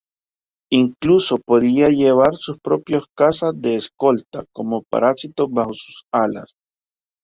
Incluso podía llevar sus propios cazas de escolta, como parásitos bajo sus alas.